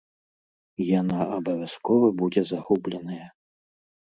Яна абавязкова будзе загубленая.